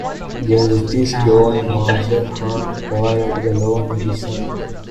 Justice John Marshall Harlan provided the lone dissent.